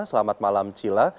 selamat malam cila